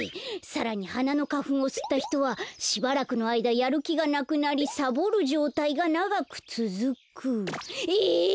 さらにはなのかふんをすったひとはしばらくのあいだやるきがなくなりサボるじょうたいがながくつづく。え！？